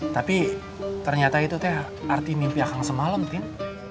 tapi ternyata itu teh arti mimpi akang semalam tim